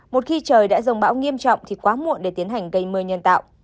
một khi trời đã dồng bão nghiêm trọng thì quá muộn để tiến hành gây mưa nhân tạo